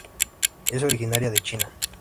Es originaria de China.